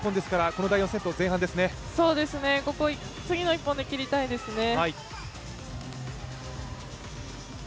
ここ次の１本で切りたいですね。